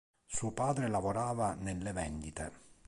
Suo padre lavorava nelle vendite.